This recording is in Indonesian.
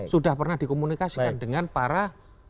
sudah pernah dikomunikasikan dengan para